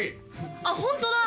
あっホントだ！